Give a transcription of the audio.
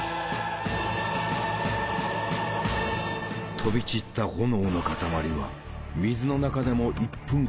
飛び散った炎の塊は水の中でも１分間燃え続けた。